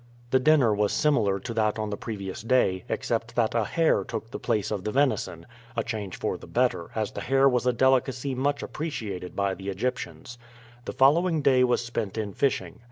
The dinner was similar to that on the previous day, except that a hare took the place of the venison a change for the better, as the hare was a delicacy much appreciated by the Egyptians. The following day was spent in fishing.